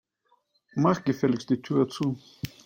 Mach gefälligst die Tür zu.